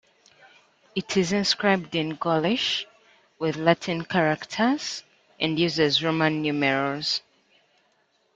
It is inscribed in Gaulish with Latin characters and uses Roman numerals.